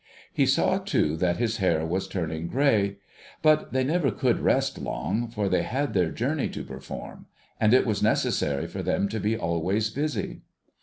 He saw, too, that his hair was turning grey. But, they never could rest long, for they had their journey to perform, and it was necessary for them to be always busy.